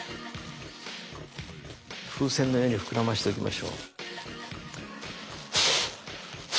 風船のように膨らませておきましょう。